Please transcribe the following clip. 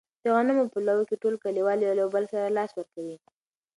د غنمو په لو کې ټول کلیوال یو له بل سره لاس ورکوي.